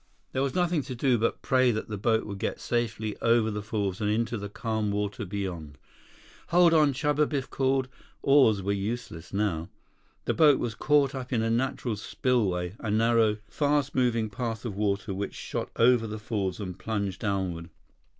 There was nothing to do but pray that the boat would get safely over the falls and into the calm water beyond. "Hold on, Chuba!" Biff called. Oars were useless now. The boat was caught up in a natural spillway, a narrow, fast moving path of water which shot over the falls and plunged downward.